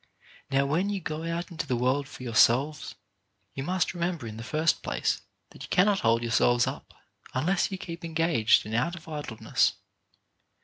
Now when you go out into the world for yourselves, you must remember in the first place that you cannot hold yourselves up unless you keep engaged and out of idleness.